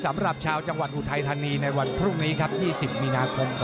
สำหรับชาวจังหวัดอุทัยธานีในวันพรุ่งนี้ครับ๒๐มีนาคม๒๕๖